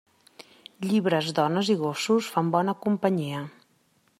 Llibres, dones i gossos fan bona companyia.